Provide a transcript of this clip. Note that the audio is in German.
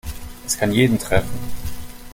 Es kann jeden treffen.